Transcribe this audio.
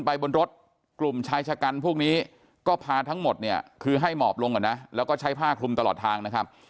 ไปบนรถกลุ่มชายชะกันพวกนี้ก็พาทั้งหมดเนี่ยคือให้หมอบลงก่อนนะแล้วก็ใช้ผ้าคลุมตลอดทางนะครับ